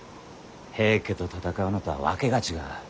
平家と戦うのとは訳が違う。